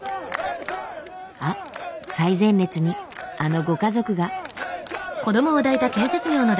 あっ最前列にあのご家族が。